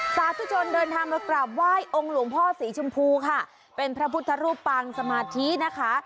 สาธุชนเดินทางมากราบไหว้องค์หลวงพ่อสีชมพูค่ะเป็นพระพุทธรูปปางสมาธินะคะ